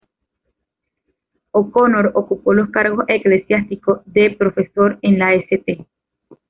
O'Connor ocupó los cargos eclesiásticos de profesor en la "St.